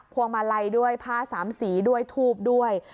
วงมาลัยด้วยผ้าสามสีด้วยทูบด้วย